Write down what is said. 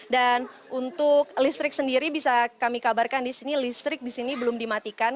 dan untuk listrik sendiri bisa kami kabarkan di sini listrik di sini belum dimatikan